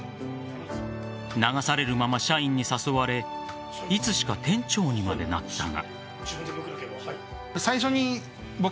流されるまま社員に誘われいつしか店長にまでなったが。